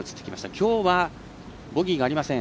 きょうは、ボギーがありません。